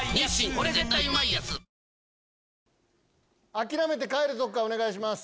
諦めて帰るとこからお願いします。